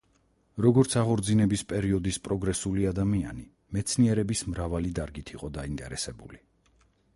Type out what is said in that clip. როგორც აღორძინების პერიოდის პროგრესული ადამიანი მეცნიერების მრავალი დარგით იყო დაინტერესებული.